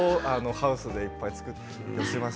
ハウスでいっぱい作っています。